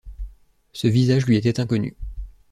Ce visage lui était inconnu.